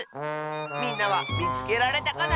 みんなはみつけられたかな？